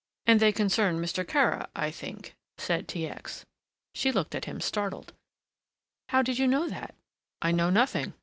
"And they concern Mr. Kara, I think," said T. X. She looked at him startled. "How did you know that?" "I know nothing."